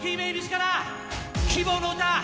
「希望の唄」